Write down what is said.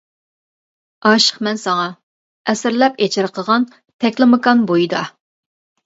ئاشىقمەن ساڭا، ئەسىرلەپ ئېچىرقىغان تەكلىماكان بويىدا.